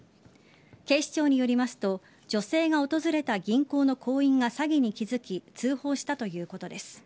警視庁によりますと女性が訪れた銀行の行員が詐欺に気づき通報したということです。